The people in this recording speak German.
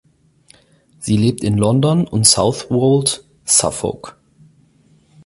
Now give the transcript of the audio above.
Sie lebt in London und Southwold, Suffolk.